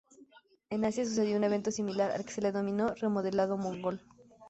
En Asia sucedió un evento similar, al que se le denominó "Remodelado Mongol".